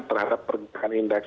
terhadap pergerakan indeks